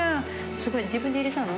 すごい自分で入れたの？